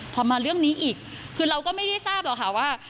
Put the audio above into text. พอมาเรื่องนี้อีกคือเราก็ไม่ได้ทราบหรอกค่ะว่า